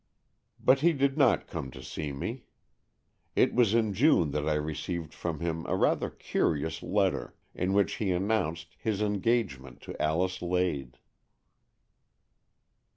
But he did not come to see me. It was in June that I received from him a rather curious letter, in which he announced his engage ment to Alice Lade.